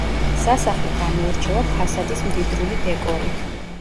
სასახლე გამოირჩევა ფასადის მდიდრული დეკორით.